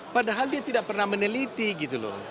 padahal dia tidak pernah meneliti gitu loh